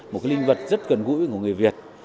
một cái linh vật rất gần gũi của người việt